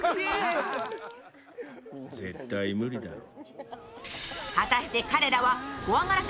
絶対無理だろう。